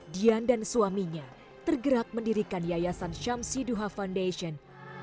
dian dan suaminya tergerak mendirikan yayasan syamsiduha foundation